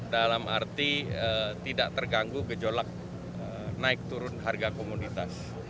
dalam arti tidak terganggu gejolak naik turun harga komoditas